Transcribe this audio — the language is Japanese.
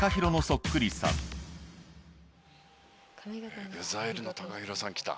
続いてＥＸＩＬＥのＴＡＫＡＨＩＲＯさん来た。